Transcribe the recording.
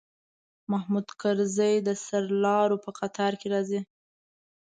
محمود طرزی د سرلارو په قطار کې راځي.